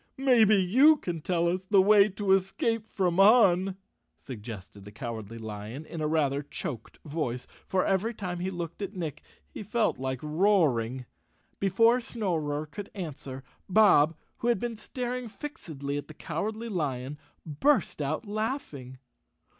"Maybe you can tell us the way to escape from Un," suggested the Cowardly Lion in a rather choked voice, for every time he looked at Nick, he felt like roaring. Before Snorer could answer, Bob, who had been star¬ ing fixedly at the Cowardly Lion, burst out laughing.